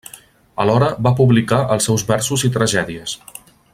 Alhora va publicar els seus versos i tragèdies.